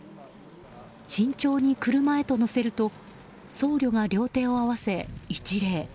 慎重に車へと乗せると僧侶が両手を合わせ、一礼。